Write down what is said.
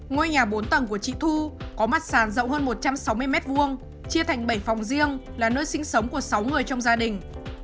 ngôi nhà bốn tầng của chị thu có mặt sàn rộng hơn một trăm sáu mươi m hai chia thành bảy phòng riêng là nơi sinh sống của sáu người trong gia đình